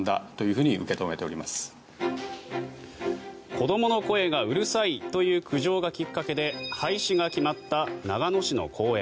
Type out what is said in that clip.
子どもの声がうるさいという苦情がきっかけで廃止が決まった長野市の公園。